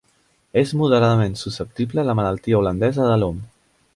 És moderadament susceptible a la Malaltia holandesa de l'om.